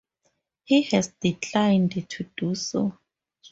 He has declined to do so.